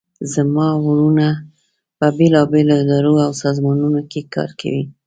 زما وروڼه په بیلابیلو اداراو او سازمانونو کې کار کوي